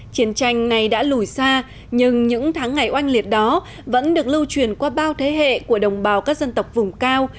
chiến tranh này đã lùi xa nhưng những tháng ngày oanh liệt đó vẫn được lưu truyền qua bao thế hệ của đồng bào các dân tộc vùng cao